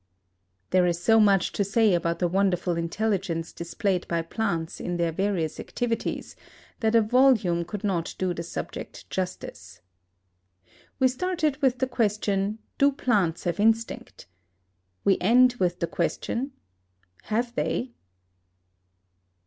There is so much to say about the wonderful intelligence displayed by plants in their various activities, that a volume could not do the subject justice. We started with the question, Do plants have instinct? We end with the question, Have they?